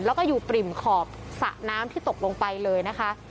แล้วก็อยู่ปริ่มขอบสระน้ำที่ตกลงไปเลยนะคะ